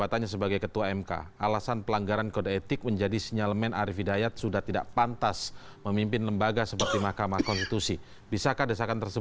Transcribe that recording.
terima kasih sudah hadir